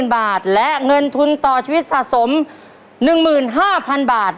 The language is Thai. ๐บาทและเงินทุนต่อชีวิตสะสม๑๕๐๐๐บาท